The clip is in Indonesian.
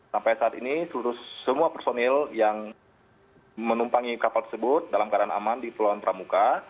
sampai saat ini seluruh semua personil yang menumpangi kapal tersebut dalam keadaan aman di pulau pramuka